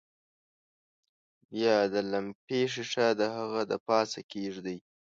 بیا د لمپې ښيښه د هغه د پاسه کیږدئ.